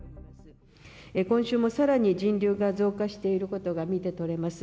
今週もさらに人流が増加していることが見て取れます。